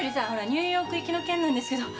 ニューヨーク行きの件なんですけど。